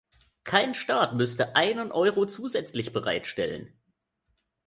Kein Staat müsste einen Euro zusätzlich bereitstellen.